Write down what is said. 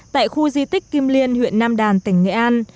tại khu di tích kim liên huyện nam đàn tỉnh nghệ an